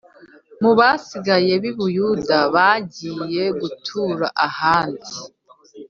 Mu basigaye b’i Buyuda bagiye gutura ahandi